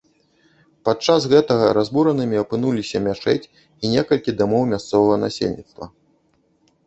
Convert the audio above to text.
Падчас гэтага разбуранымі апынуліся мячэць і некалькі дамоў мясцовага насельніцтва.